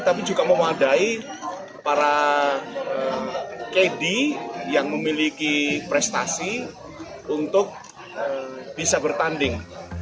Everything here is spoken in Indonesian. tapi juga memadai para kd yang memiliki prestasi untuk bisa bertanding